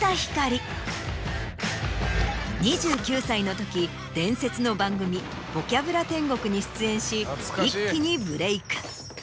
２９歳のとき伝説の番組『ボキャブラ天国』に出演し一気にブレイク。